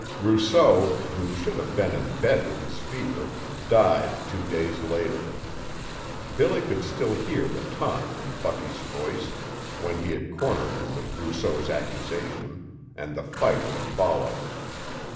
Rousseau, who should have been in bed with his fever, died two days later. Billy could still hear the taunt in Bucky's voice when he had cornered him with Rousseau's accusation, and the fight had followed.